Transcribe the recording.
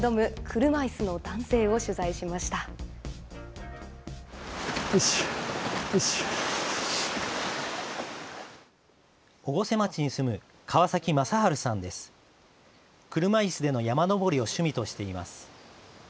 車いすでの山登りを趣味としています。